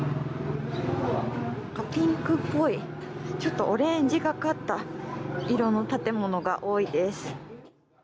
ピンクっぽいちょっとオレンジがかった色の建物が多いです。